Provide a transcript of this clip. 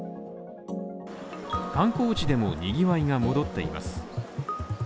観光地でもにぎわいが戻っています。